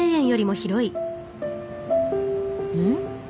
うん？